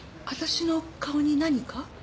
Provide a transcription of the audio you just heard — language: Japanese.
私の顔に何か？